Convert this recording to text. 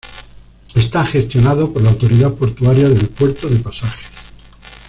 Está gestionado por la autoridad portuaria del Puerto de Pasajes.